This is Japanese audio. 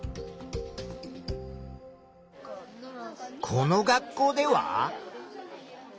この学校では？